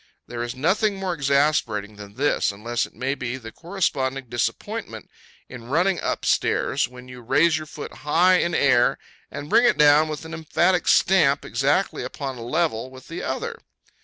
There is nothing more exasperating than this, unless it may be the corresponding disappointment in running up stairs, when you raise your foot high in air, and bring it down with an emphatic stamp exactly upon a level with the other.